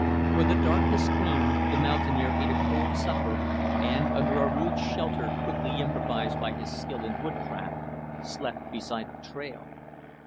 When the darkness came, the mountaineer ate a cold supper and, under a rude shelter quickly improvised by his skill in woodcraft, slept beside the trail.